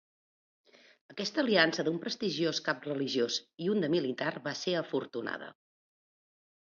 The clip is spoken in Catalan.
Aquesta aliança d'un prestigiós cap religiós i un de militar va ser afortunada.